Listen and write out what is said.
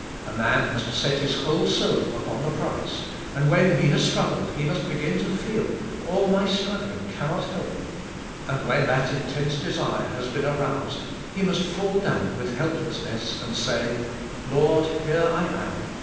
A man must set his whole soul upon the price, and when he has strug gled he must beg in to feel, all my strugg ling cannot help me, and when that intense desire has been aroused he must fall down with helplessness and say, ' 'Lord, here I am.